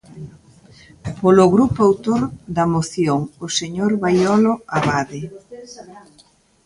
Polo grupo autor da moción, o señor Baiolo Abade.